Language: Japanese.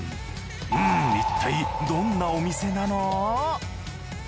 うんいったいどんなお店なの？